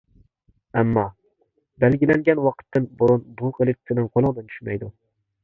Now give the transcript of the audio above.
ئەمما، بەلگىلەنگەن ۋاقىتتىن بۇرۇن بۇ قىلىچ سېنىڭ قولۇڭدىن چۈشمەيدۇ.